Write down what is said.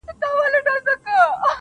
ته زموږ زړونه را سپين غوندي کړه.